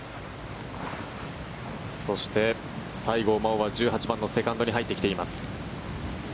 そして、西郷真央は１８番のセカンドに入ってきています。